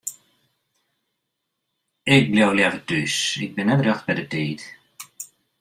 Ik bliuw leaver thús, ik bin net rjocht by de tiid.